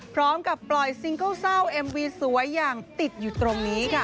พร้อมกับปล่อยซิงเกิลเศร้าเอ็มวีสวยอย่างติดอยู่ตรงนี้ค่ะ